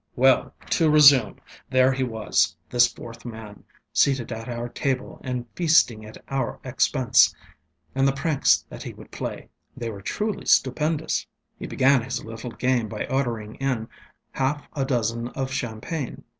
ŌĆ£Well, to resume, there he was, this fourth man, seated at our table and feasting at our expense. And the pranks that he would play usŌĆöthey were truly stupendous. He began his little game by ordering in half a dozen of champagne.